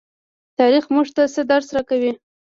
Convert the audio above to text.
تاریخ موږ ته څه درس راکوي؟